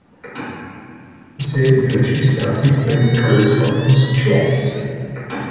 The same year she started playing correspondence chess.